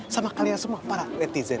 sama kalian semua para netizen